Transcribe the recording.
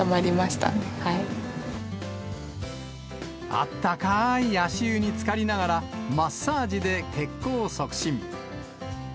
あったかーい足湯につかりながら、マッサージで血行促進。